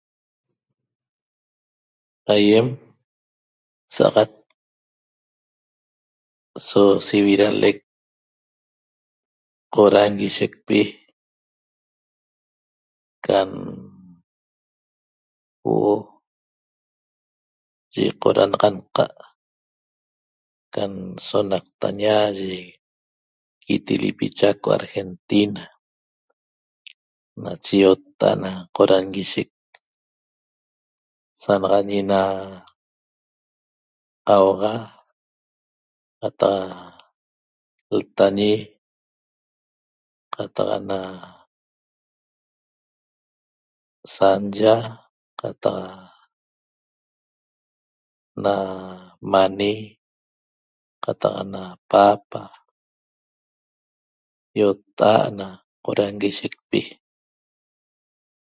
Aiem saxat so siviralec qoranguishecpi can huo'o ye qoranaxanqa' can sonaqtaña Quitilipi, Chaco, Argentina nache iotta'at na qoranguishec sanaxañi na 'auxa qataq ltañi qataq ana sanya qataq na mani qataq na papa iotta'at na qoranguishecpi